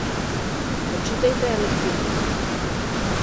Прочитајте ја лектирата.